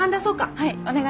はい。